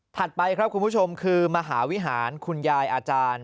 ไปครับคุณผู้ชมคือมหาวิหารคุณยายอาจารย์